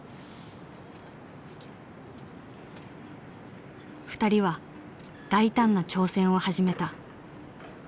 ２人は大胆な挑戦を始めた。